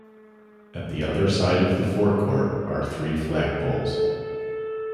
At the other side of the forecourt are three flagpoles.